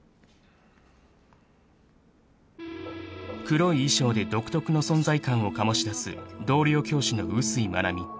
［黒い衣装で独特の存在感を醸し出す同僚教師の碓井愛菜美］